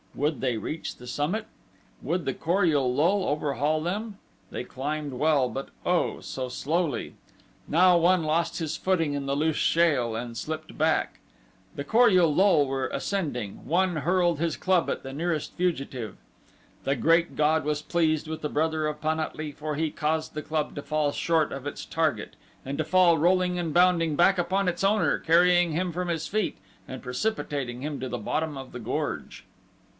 Would they reach the summit? Would the Kor ul lul overhaul them? They climbed well, but, oh, so slowly. Now one lost his footing in the loose shale and slipped back! The Kor ul lul were ascending one hurled his club at the nearest fugitive. The Great God was pleased with the brother of Pan at lee, for he caused the club to fall short of its target, and to fall, rolling and bounding, back upon its owner carrying him from his feet and precipitating him to the bottom of the gorge.